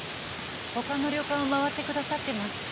他の旅館を回ってくださってます。